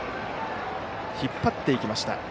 引っ張っていきました。